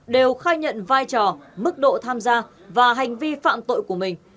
đều khai nhận vai trò mức độ tham gia và hành vi phạm tội của mình